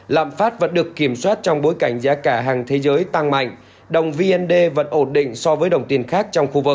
lạm phát vẫn được kiểm soát trong bối cảnh giá cả hàng thế giới tăng mạnh đồng vnd vẫn ổn định so với đồng tiền khác trong khu vực